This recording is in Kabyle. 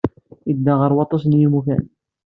Yedda ɣer waṭas n yimukan.